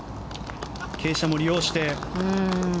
傾斜も利用して。